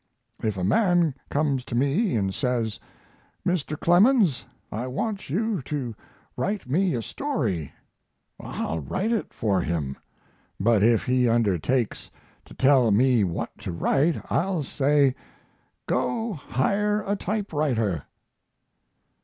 If a man comes to me and says, 'Mr. Clemens, I want you to write me a story,' I'll write it for him; but if he undertakes to tell me what to write I'll say, 'Go hire a typewriter.'"